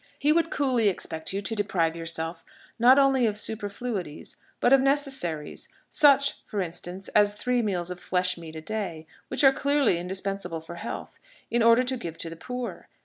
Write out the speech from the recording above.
He would coolly expect you to deprive yourself not only of superfluities, but of necessaries such, for instance, as three meals of flesh meat a day, which are clearly indispensable for health in order to give to the poor.